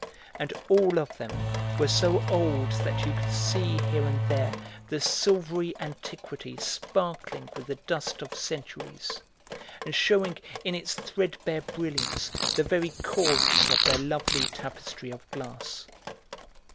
And all of them were so old that you could see, here and there, their silvery antiquity sparkling with the dust of centuries and shewing in its threadbare brilliance the very cords of their lovely tapestry of glass.